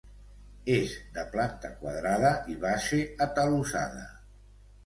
És de planta quadrada i base atalussada.